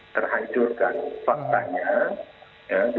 kalau hal partai kalau pandemi sekarang terdestruksi